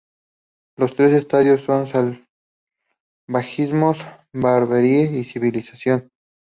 Los tres estadios son salvajismo, barbarie y civilización.